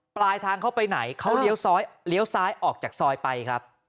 ปลายทางเข้าไปไหนเขาเลี้ยวซ้อยเลี้ยวซ้ายออกจากซอยไปครับ